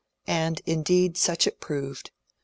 And indeed such it proved.